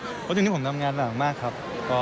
เพราะจนที่ผมทำงานมากครับ